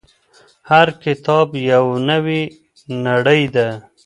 هر کتاب يوه نوې نړۍ ده.